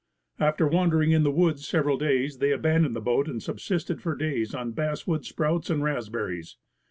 After wandering in the woods several days they abandoned the boat and subsisted for days on basswood sprouts and raspberries.